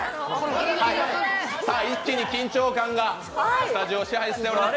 一気に緊張感がスタジオを支配しております。